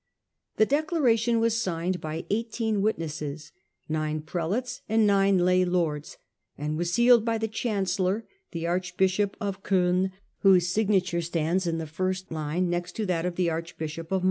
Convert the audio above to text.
The declaration was signed by eighteen witnesses — nine ' prelates and nine lay lords — and was sealed by the chancellor, the archbishop of Coin, whose signature stands in the first line next to that of the archbishop of Mainz.